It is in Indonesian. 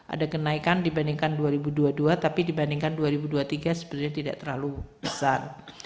ada kenaikan dibandingkan dua ribu dua puluh dua tapi dibandingkan dua ribu dua puluh tiga sebenarnya tidak terlalu besar